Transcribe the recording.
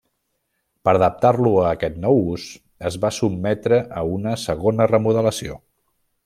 Per adaptar-lo a aquest nou ús, es va sotmetre a una segona remodelació.